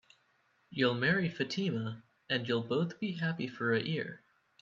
You'll marry Fatima, and you'll both be happy for a year.